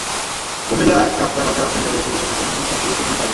প্রমিলা ক্রাপ্টা কালচারাল সেন্টারে এসে বসে থাকেন অনুষ্ঠান শুরুর তিন ঘণ্টা আগে।